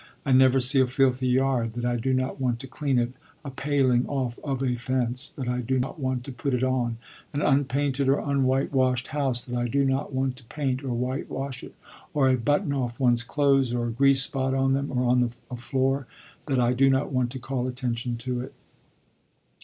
I never see a filthy yard that I do not want to clean it, a paling off of a fence that I do not want to put it on, an unpainted or unwhitewashed house that I do not want to paint or whitewash it, or a button off one's clothes, or a grease spot on them or on a floor, that I do not want to call attention to it.